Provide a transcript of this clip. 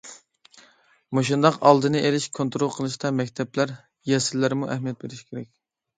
مۇشۇنداق ئالدىنى ئېلىش، كونترول قىلىشتا مەكتەپلەر، يەسلىلەرمۇ ئەھمىيەت بېرىشى كېرەك.